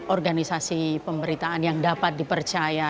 organisasi pemberitaan yang dapat dipercaya